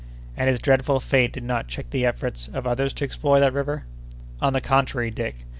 "And his dreadful fate did not check the efforts of others to explore that river?" "On the contrary, Dick.